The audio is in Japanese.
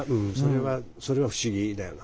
それは不思議だよな。